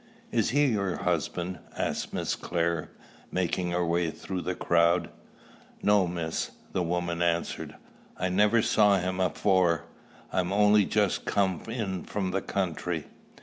"Is he your husband?" asked Miss Clare, making her way through the crowd. "No, miss," the woman answered. "I never saw him afore. I'm only just come in from the country."